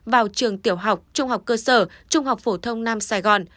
vào trường tiểu học trung học cơ sở trung học phổ thông nam sài gòn